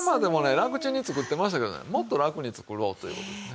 楽ちんに作ってましたけどねもっと楽に作ろうという事ですね。